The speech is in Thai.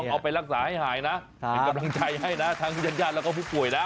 เขามีปัญหาทางผิด